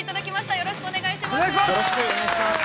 ◆よろしくお願いします。